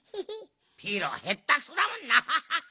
ピロへったくそだもんなハハハ。